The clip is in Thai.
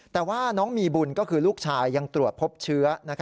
แต่ว่าน้องมีบุญก็คือลูกชายยังตรวจพบเชื้อ